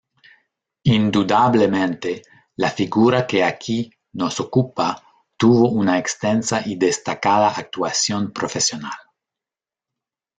Indudablemente la figura que aquí nos ocupa tuvo una extensa y destacada actuación profesional.